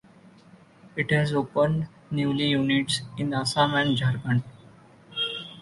It has opened newly units in Assam and Jharkhand.